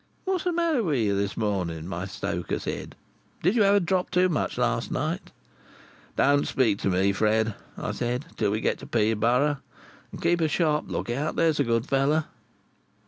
'What's the matter with you this morning?' my stoker said. 'Did you have a drop too much last night?' 'Don't speak to me, Fred,' I said, 'till we get to Peterborough; and keep a sharp look out, there's a good fellow.